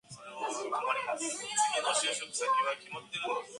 The two measures may also be viewed as complementary.